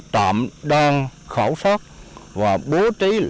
tạm đoan khẩu pháp và bố trí lượng